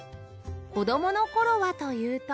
子どもの頃はというと